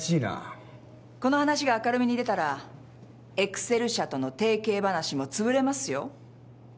この話が明るみに出たらエクセル社との提携話もつぶれますよ。